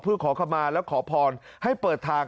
เพื่อขอขมาและขอพรให้เปิดทาง